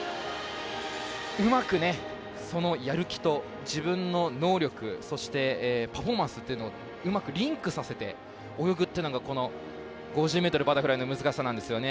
うまくやる気と自分の能力そして、パフォーマンスっていうのをうまくリンクさせて泳ぐというのがこの５０ｍバタフライの難しさなんですよね。